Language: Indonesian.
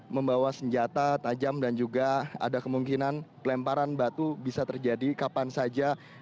membawa senjata tajam dan juga ada kemungkinan pelemparan batu bisa terjadi kapan saja